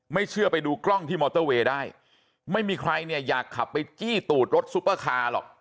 เชื่อไปดูกล้องที่มอเตอร์เวย์ได้ไม่มีใครเนี่ยอยากขับไปจี้ตูดรถซุปเปอร์คาร์หรอก